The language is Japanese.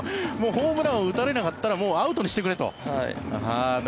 ホームランを打たれなかったらもうアウトにしてくれと。